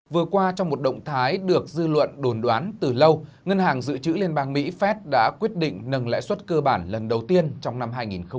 vừa qua trong một động thái được dư luận đồn đoán từ lâu ngân hàng dự trữ liên bang mỹ phép đã quyết định nâng lãi xuất cơ bản lần đầu tiên trong năm hai nghìn một mươi tám